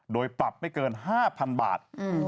โดยปรับไม่เกิน๕๐๐๐บาท